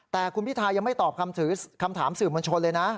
แต่คุณพิทายังไม่ตอบคำถามสื่อมวลชนเลยนะ